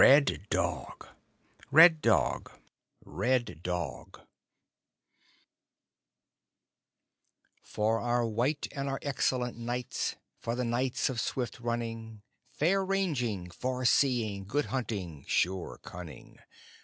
_ RED DOG For our white and our excellent nights for the nights of swift running, Fair ranging, far seeing, good hunting, sure cunning!